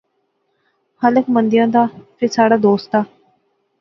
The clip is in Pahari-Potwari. خالق مندیاں دا فہ ساڑھا دوست دا